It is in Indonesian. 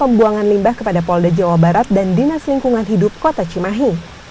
pembuangan limbah kepada polda jawa barat dan dinas lingkungan hidup kota cimahi